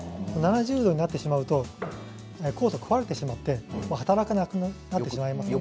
７０度になってしまうと酵素が壊れてしまって働かなくなってしまいます。